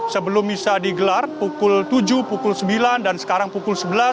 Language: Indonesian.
sebelum misa digelar pukul tujuh pukul sembilan dan sekarang pukul sebelas